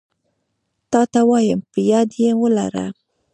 تاته وايم په ياد يي ولره